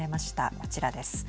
こちらです。